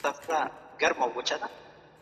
ملکیت انسان ته په ژوند کي هدف ورکوي.